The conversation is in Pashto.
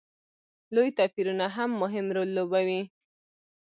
لوی توپیرونه هم مهم رول لوبوي.